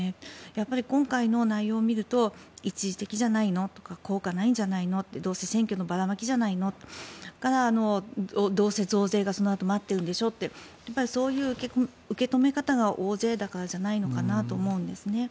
やっぱり今回の内容を見ると一時的じゃないのとか効果ないんじゃないのどうせ選挙のばらまきじゃないのどうせ増税がそのあと待ってるんでしょうとかそういう受け止め方が大勢だからじゃないのかなと思うんですね。